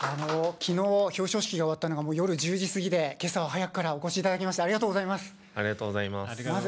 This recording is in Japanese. きのう、表彰式が終わったのが夜１０時過ぎで、けさ早くからお越しいただきましてありがとうございます。